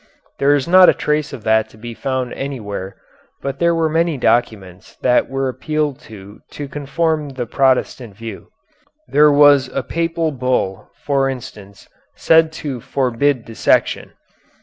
There is not a trace of that to be found anywhere, but there were many documents that were appealed to to confirm the protestant view. There was a Papal bull, for instance, said to forbid dissection.